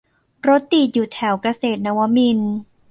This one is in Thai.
รถติดอยู่แถวเกษตรนวมินทร์